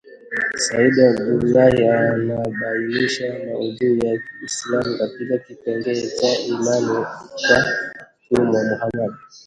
Sayyid Abdallah anabainisha maudhui ya Kiislamu katika kipengee cha imani kwa Tumwa Muhammadi